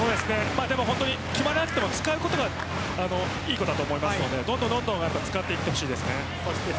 決まらなくても使うことがいいことだと思うのでどんどん使っていってほしいです。